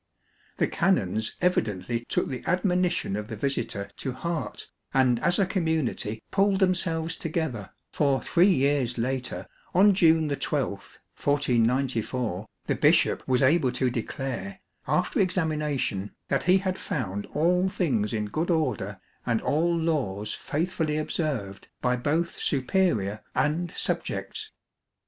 The canons evidently took the admo nition of the visitor to heart and as a community pulled themselves together, for three years later, on June 12, 1494, the bishop was able to declare, after examination, that he had found all things in good order and all laws faithfully observed by both superior and subjects.